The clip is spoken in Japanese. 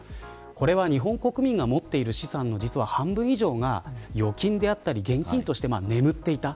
これは日本国民が持っている資産の半分以上が預金や現金で眠っていた。